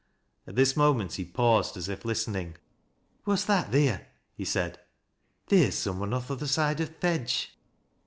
At this moment he paused, as if listening. " What's that theer ?" he said. " Theer's some one oj> th' other side o' th' hedge."